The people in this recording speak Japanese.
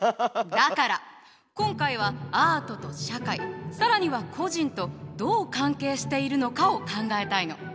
だから今回はアートと社会更には個人とどう関係しているのかを考えたいの。